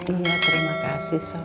iya terima kasih sob